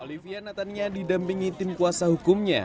olivia natania didampingi tim kuasa hukumnya